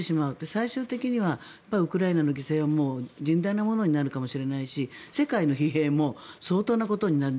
最終的にはウクライナの被害は甚大なものになるかもしれないし世界の疲弊も相当なことになる。